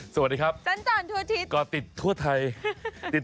แล้วจะตั้งเป็นอย่างงี้ใช่ไหมคุณ